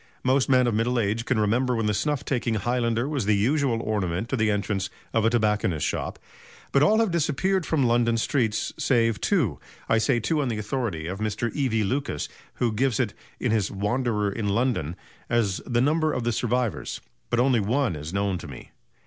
Most men of middle age can remember when the snuff taking highlander was the usual ornament to the entrance of a tobacconist's shop; but all have disappeared from London streets save two I say two on the authority of Mr. E.V. Lucas, who gives it (in his "Wanderer in London") as the number of the survivors; but only one is known to me.